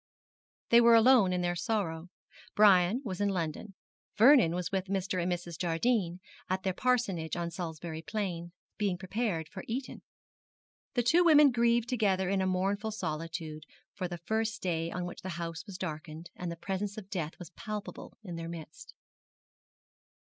They were alone in their sorrow. Brian was in London. Vernon was with Mr. and Mrs. Jardine, at their parsonage on Salisbury Plain, being prepared for Eton. The two women grieved together in a mournful solitude for the first day on which the house was darkened, and the presence of death was palpable in their midst.